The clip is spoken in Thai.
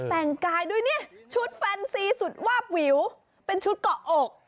แต่งกายด้วยเนี่ยชุดแฟนซีสุดวาบวิวเป็นชุดเกาะอก